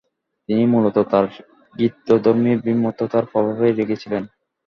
তিনি মূলত তার গীতধর্মী বিমূর্ততার প্রভাবই রেখেছিলেন।